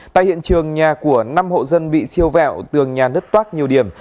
tại hiện trường nhà của năm hộ dân bị siêu vẹo tường nhà nứt toác nhiều điểm